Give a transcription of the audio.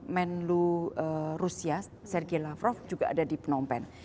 menlu rusia sergei lavrov juga ada di phnom penh